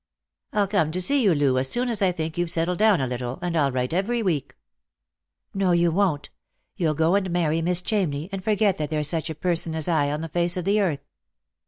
" I'll come to see you, Loo, as soon as I think you've settled down a little, and I'll write every week." " No, you won't ; you'll go and marry Miss Chamney, and forget that there's such a person as I on the face of the earth."